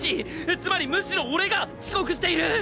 つまりむしろ俺が遅刻している！